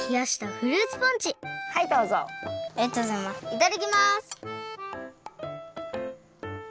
いただきます。